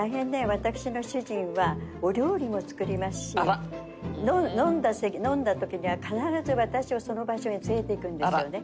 私の主人はお料理も作りますし飲んだ時には必ず私をその場所に連れて行くんですよね。